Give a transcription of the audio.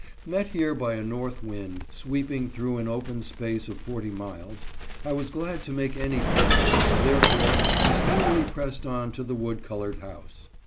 Met here by a north wind sweep ing through an open space of forty miles, I was glad to make any port, and, therefore, I speedily pressed on to the wood colored house.